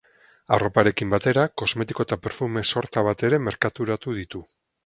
Arroparekin batera, kosmetiko eta perfume-sorta bat ere merkaturatu ditu.